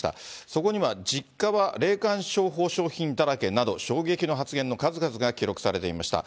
そこには実家は霊感商法商品だらけなど、衝撃の発言の数々が記録されていました。